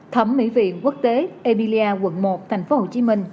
thẩm mỹ viện quốc tế ebile quận một tp hcm